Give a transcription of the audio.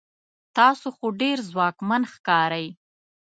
تاسو خو ډیر ځواکمن ښکارئ